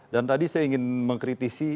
dan tadi saya ingin mengkritisi